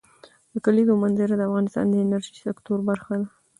د کلیزو منظره د افغانستان د انرژۍ سکتور برخه ده.